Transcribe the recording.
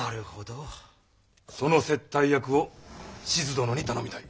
その接待役を志津殿に頼みたい。